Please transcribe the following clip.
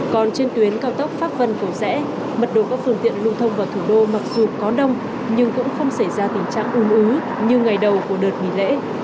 còn trên tuyến cao tốc pháp vân cầu rẽ mật độ các phương tiện lưu thông vào thủ đô mặc dù có đông nhưng cũng không xảy ra tình trạng ung ứ như ngày đầu của đợt nghỉ lễ